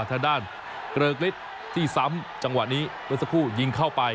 ทางด้านเกริกฤทธิ์ที่ซ้ำจังหวะนี้เมื่อสักครู่ยิงเข้าไป